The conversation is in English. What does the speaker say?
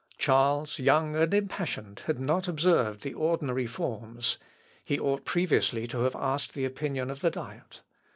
Charles, young and impassioned, had not observed the ordinary forms; he ought previously to have asked the opinion of the Diet.